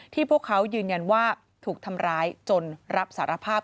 พวกเขายืนยันว่าถูกทำร้ายจนรับสารภาพ